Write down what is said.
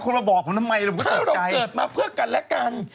คุณมาบอกผมทำไมถ้าเราเกิดมาเพื่อกันและกัน